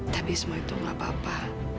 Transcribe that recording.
tapi semua itu nggak apa apa